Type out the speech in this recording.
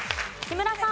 木村さん。